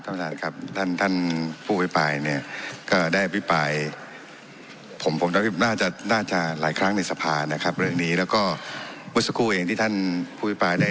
ว่าที่ท่านถือเนี่ยเป็นไว้เสร็จเพราะฉะนั้นขอให้ท่านประธานได้